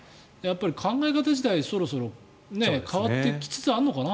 考え方だってそろそろ変わってきつつあるのかな。